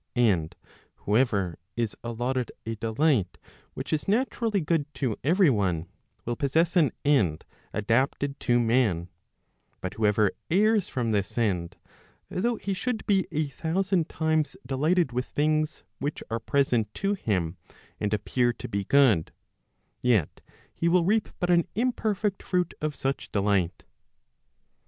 And whoever is allotted a delight which is naturally good to every one, will possess an end adapted to man; but whoever errs from this end, though he should be a thousand times delighted with things which are present to him and appear to be good, yet he will reap but an imperfect fruit of such delight.